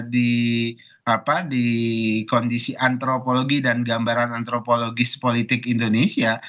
di kondisi antropologi dan gambaran antropologis politik indonesia